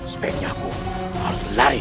sebaiknya aku harus lari